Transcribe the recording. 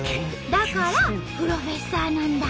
だから風呂フェッサーなんだ！